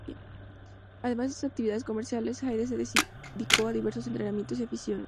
Además de sus actividades comerciales, Hyde se dedicó a diversos entretenimientos y aficiones.